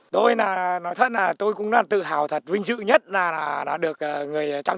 tôi nói thật là tôi cũng rất tự hào thật vinh dự nhất là đã được người trăm